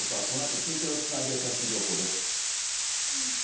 このあと中継をつないで、最新情報です。